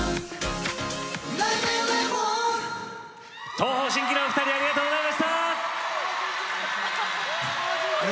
東方神起のお二人ありがとうございました。